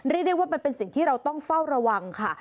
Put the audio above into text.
เรียกได้ว่ามันเป็นสิ่งที่เราต้องเฝ้าระวังค่ะ